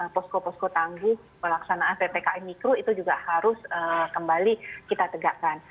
posko posko tangguh pelaksanaan ppkm mikro itu juga harus kembali kita tegakkan